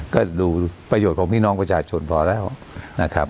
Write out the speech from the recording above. ก็ดูประโยชน์ของพี่น้องประชาชนพอแล้วนะครับ